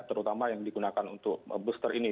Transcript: terutama yang digunakan untuk booster ini